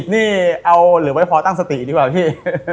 นี่เอาหรือไม่พอตั้งสติดีกว่าพี่